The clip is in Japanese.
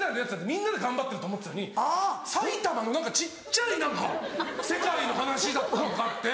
みんなで頑張ってると思ってたのに埼玉の何か小っちゃい世界の話だったのかって。